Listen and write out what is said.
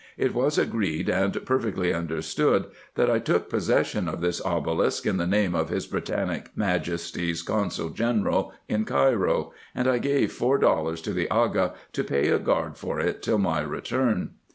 It was agreed, and per fectly understood, that I took possession of this obelisk in the name of his Britannic Majesty's consul general in Cairo ; and I gave four dollars to the Aga, to pay a guard for it till my return.